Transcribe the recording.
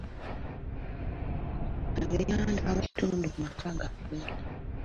Abenganda baba kitundu ku maka gaffe.